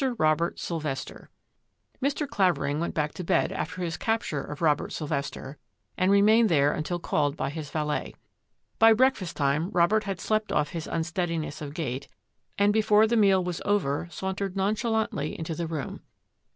ROBERT SYLVESTER Mr. Clavering went back to bed after his capture of Robert Sylvester and remained there until called by his valet. By breakfast time Robert had slept oiF his unsteadiness of gait, and before the meal was over saimtered nonchalantly into the room.